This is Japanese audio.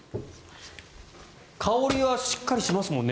香りはしっかりしますもんね